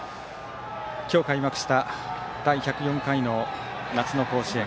今日開幕した第１０４回の夏の甲子園。